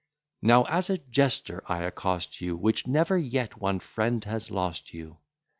Now as a jester I accost you; Which never yet one friend has lost you.